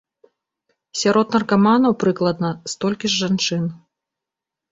Сярод наркаманаў прыкладна столькі ж жанчын.